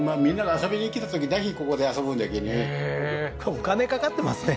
お金かかってますね